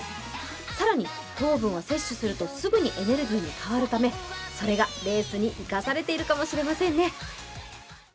更に、糖分は摂取するとすぐにエネルギーに代わるため、それがレースに生かされてるのかもしれませんね。